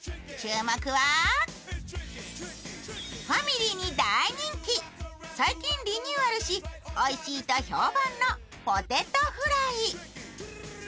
ファミリーに大人気、最近リニューアルし、おいしいと評判のポテトフライ。